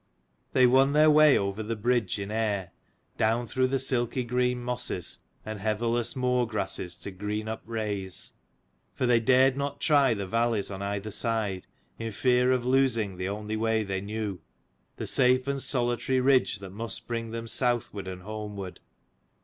They won their way over the bridge in air, down through the silky green mosses and heatherless moor grasses, to Greenup raise: for they dared not try the valleys on either hand in fear of losing the only way they knew, the safe and solitary ridge that must bring them southward and homeward.